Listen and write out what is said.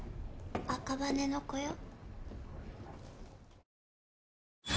赤羽の子よ。